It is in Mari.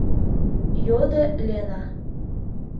— йодо Лена.